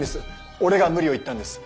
俺が無理を言ったんです。